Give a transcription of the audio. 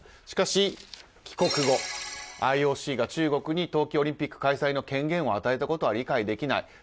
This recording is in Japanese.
しかし、帰国後ＩＯＣが中国に冬季オリンピック開催の権限を与えたことは理解できない。